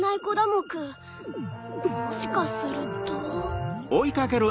もしかすると。